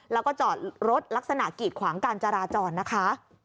แล้วก็จอดรถลักษณะกีดขวางการจราจรนะคะ